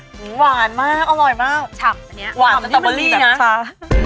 หูยหวานมากอร่อยมากฉ่ำหวานจนตะเบอรี่นะหวานจนตะเบอรี่แบบชา